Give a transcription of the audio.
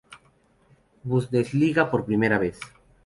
Bundesliga por primera vez.